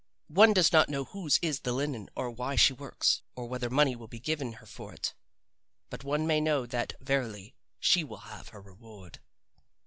One does not know whose is the linen or why she works, or whether money will be given her for it. But one may know that verily she will have her reward.